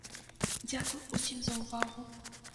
Дзякуй усім за ўвагу.